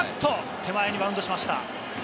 手前にバウンドしました。